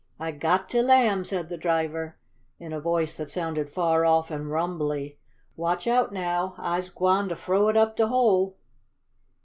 "I got de Lamb!" said the driver, in a voice that sounded far off and rumbly. "Watch out, now! I'se gwine to frow it up de hole!"